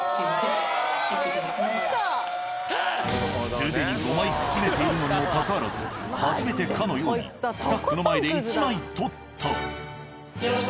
既に５枚くすねているのにもかかわらず初めてかのようにスタッフの前で１枚取った。